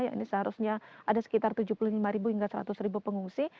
yang ini seharusnya ada sekitar tujuh puluh lima hingga seratus pengungsi